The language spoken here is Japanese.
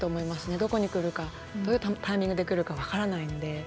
どこにくるかどういうタイミングでくるか分からないので。